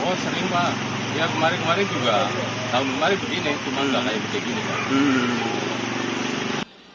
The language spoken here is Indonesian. oh sering pak ya kemarin kemarin juga tahun kemarin begini cuma nggak kayak begini pak